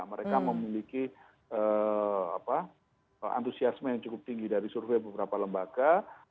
mereka memiliki antusiasme yang cukup tinggi dari survei beberapa lembaga